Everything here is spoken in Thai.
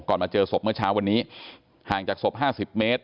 มาเจอศพเมื่อเช้าวันนี้ห่างจากศพ๕๐เมตร